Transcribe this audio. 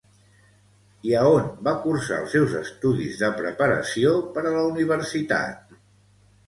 I a on va cursar els seus estudis de preparació per a la universitat?